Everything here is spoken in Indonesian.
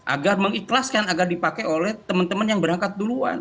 agar mengikhlaskan agar dipakai oleh teman teman yang berangkat duluan